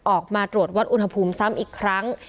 ออกมาตรวจวัดอุณหภูมิซ้ำอีกครั้ง